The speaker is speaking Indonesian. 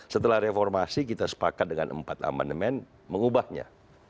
setelah reformasi kita sepakat dengan empat amandemen mengubahnya